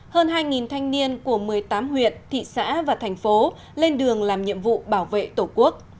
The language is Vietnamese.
hơn hai thanh niên của một mươi tám huyện thị xã và thành phố lên đường làm nhiệm vụ bảo vệ tổ quốc